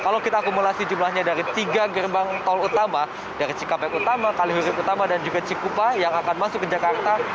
kalau kita akumulasi jumlahnya dari tiga gerbang tol utama dari cikampek utama kalihurip utama dan juga cikupa yang akan masuk ke jakarta